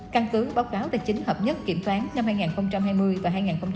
căn cứ báo cáo tài chính hợp nhất kiểm toán năm hai nghìn hai mươi và hai nghìn hai mươi một